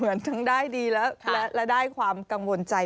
เป็นควาว์ชลาดเขามีมากมาย